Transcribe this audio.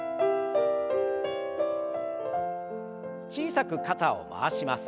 小さく肩を回します。